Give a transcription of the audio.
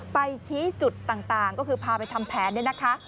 ไปชี้จุดต่างก็คือพาไปทำแผน